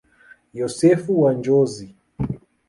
Yosefu wa Njozi.